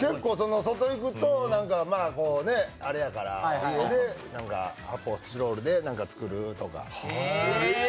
外行くと、あれやから家で発泡スチロールで何か作るとか。